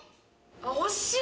惜しい。